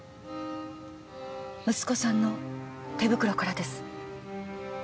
息子さんの手袋からです。